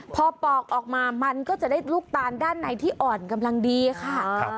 พอปอกออกมามันก็จะได้ลูกตาลด้านในที่อ่อนกำลังดีค่ะ